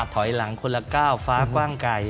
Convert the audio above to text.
ถอยหลังคนละก้าวฟ้ากว้างไก่